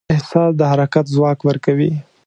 احساس د حرکت ځواک ورکوي.